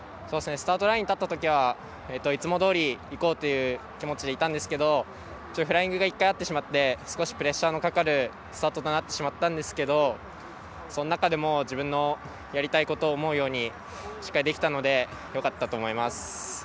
スタートラインに立ったときは、いつもどおりいこうという気持ちでいたんですけどフライングが１回あってしまって少しプレッシャーがかかるスタートとなってしまったんですけどその中でも自分のやりたいことを思うようにしっかりできたのでよかったと思います。